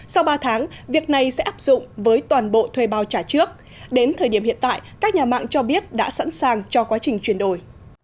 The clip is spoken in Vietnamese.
sau ba tháng việc này sẽ áp dụng với toàn bộ thuê bao trả trước đến thời điểm hiện tại các nhà mạng cho biết đã sẵn sàng cho quá trình chuyển đổi